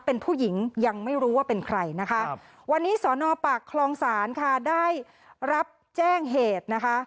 เป็นผู้หญิงยังไม่รู้ว่าเป็นใครนะคะครับวันนี้สอนอปากคลองศาลค่ะได้รับแจ้งเหตุนะคะ